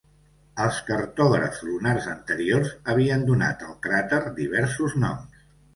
Els cartògrafs lunars anteriors havien donat al cràter diversos noms.